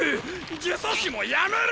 呪詛師もやめる！